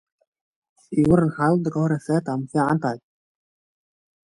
The role went on to make an international star of Audrey Tautou.